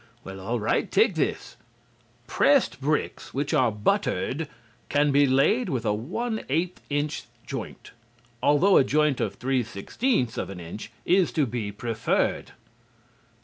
Well, all right, take this: "Pressed bricks, which are buttered, can be laid with a one eighth inch joint, although a joint of three sixteenths of an inch is to be preferred."